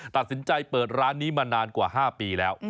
ตัดสินใจเปิดร้านนี้มานานกว่า๕ปีแล้ว